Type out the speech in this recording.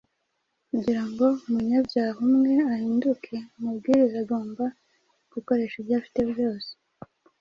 Kugira ngo umunyabyaha umwe ahinduke, umubwiriza agomba gukoresha ibyo afite byose